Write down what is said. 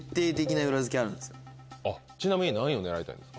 あっちなみに何位を狙いたいですか？